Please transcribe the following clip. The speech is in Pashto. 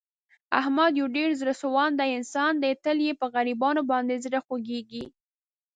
احمد یو ډېر زړه سواندی انسان دی. تل یې په غریبانو باندې زړه خوګېږي.